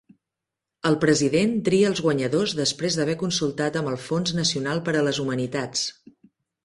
El President tria els guanyadors després d'haver consultat amb el Fons Nacional per a les Humanitats.